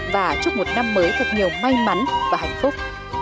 và chúc một năm mới thật nhiều may mắn và hạnh phúc